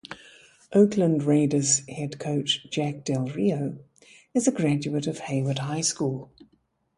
Oakland Raiders Head Coach Jack Del Rio, is a graduate of Hayward High School.